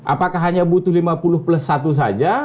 apakah hanya butuh lima puluh plus satu saja